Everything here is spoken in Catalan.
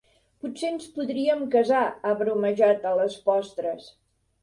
Potser ens podríem casar, ha bromejat a les postres.